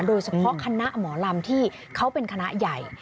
โดยเฉพาะคณะหมอลำที่เขาเป็นคณะใหญ่